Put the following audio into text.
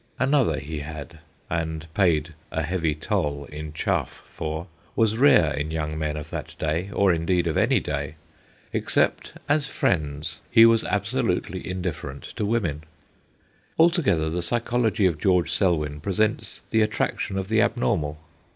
Another he had and paid a heavy toll in chaff for was rare in young men of that day, or indeed of any day : except as friends, he was absolutely indifferent to women. Altogether, the psychology of George Selwyn presents the attraction of the abnormal.